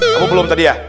kamu belum tadi ya